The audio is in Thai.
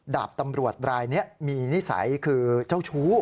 ดาบตำรวจรายนี้มีนิสัยคือเจ้าชู้